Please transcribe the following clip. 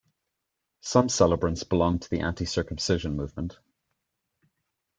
Some celebrants belong to the anti-circumcision movement.